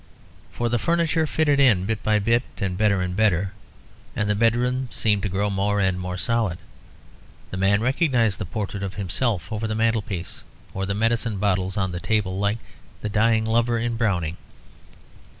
For the furniture fitted in bit by bit and better and better; and the bedroom seemed to grow more and more solid. The man recognised the portrait of himself over the mantelpiece or the medicine bottles on the table, like the dying lover in Browning.